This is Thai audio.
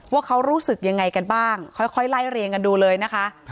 ว่าเขารู้สึกยังไงกันบ้างค่อยไล่เรียงกันดูเลยนะคะ